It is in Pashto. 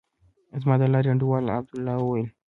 زما د لارې انډيوال عبدالله وويل.